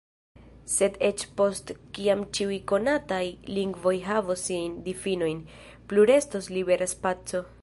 Sed eĉ post kiam ĉiuj konataj lingvoj havos siajn difinojn, plu restos libera spaco.